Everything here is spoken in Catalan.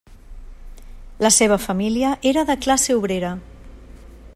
La seva família era de classe obrera.